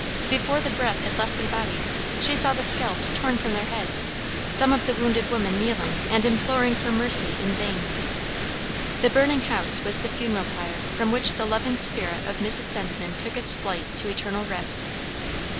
Before the breath had left their bodies she saw the scalps torn from their heads, some of the wounded women kneeling and imploring for mercy in vain. The burning house was the funeral pyre from which the loving spirit of Mrs. Senseman took its flight to eternal rest.